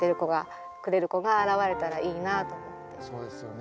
そうですよね。